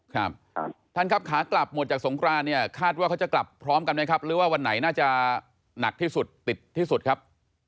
ครับท่านครับขากลับหมดจากสงครานเนี่ยคาดว่าเขาจะกลับพร้อมกันไหมครับหรือว่าวันไหนน่าจะหนักที่สุดติดที่สุดครับ